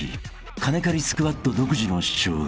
［金借りスクワッド独自の主張が］